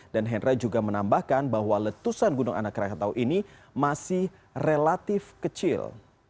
dan hendra juga menambahkan bahwa letusan gunung anak krakatau ini masih relatif kecil